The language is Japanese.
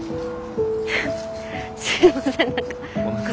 すいません何か。